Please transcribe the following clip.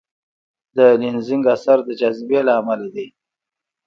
د لینزینګ اثر د جاذبې له امله دی.